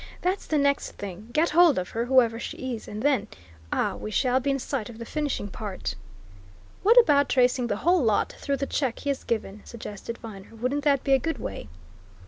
"That's the next thing! Get hold of her, whoever she is, and then ah, we shall be in sight of the finishing part." "What about tracing the whole lot through the check he has given?" suggested Viner. "Wouldn't that be a good way?"